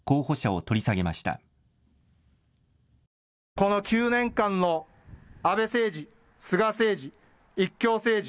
この９年間の安倍政治、菅政治、一強政治。